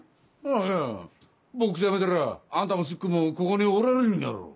いやボックスやめたらあんたもスッくんもここにおられるんやろ。